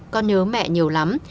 con nhớ mẹ nhiều lắm